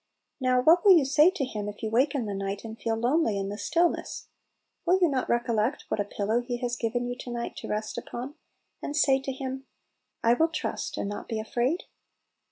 Now what will you say to Him if you wake in the night and feel lonely in the stillness ? Will you not recollect what a pillow He has given you to night to rest upon, and say to Him, " I will trust, and not be afraid